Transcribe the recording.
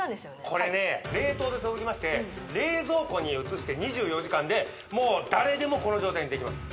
これね冷凍で届きまして冷蔵庫に移して２４時間でもう誰でもこの状態にできます